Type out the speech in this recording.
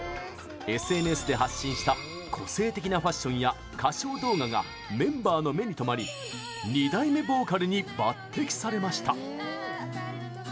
ＳＮＳで発信した個性的なファッションや歌唱動画がメンバーの目に留まり２代目ボーカルに抜てきされました。